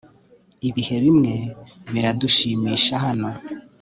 ibihe bimwe biradushimisha hano